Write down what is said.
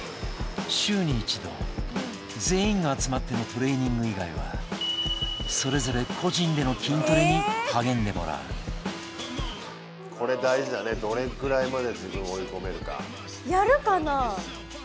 週に一度全員が集まってのトレーニング以外はそれぞれ個人での筋トレに励んでもらうこれ大事だねやるかな？